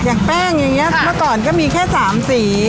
อย่างแป้งอย่างนี้เมื่อก่อนก็มีแค่๓สี